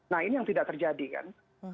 nah ini yang tidak terjadi kan